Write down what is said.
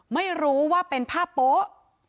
ไม่รู้ว่าเป็นผ้าโป๊ะ